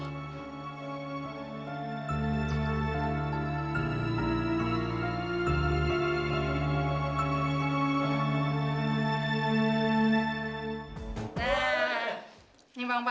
terus takiren sama mami